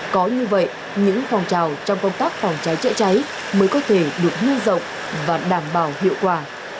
có như vậy những phòng trào trong công tác phòng trái trái trái mới có thể được nâng rộng và đảm bảo hiệu quả